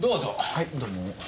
はいどうも。